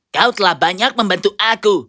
kau telah banyak membantu aku